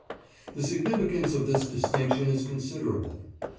The significance of this distinction is considerable.